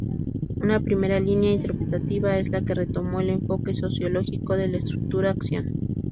Una primera línea interpretativa es la que retomó el enfoque sociológico de la estructura-acción.